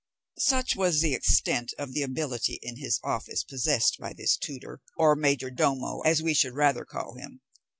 Such was the extent of the ability in his office possessed by this tutor, or major domo, as we should rather call him.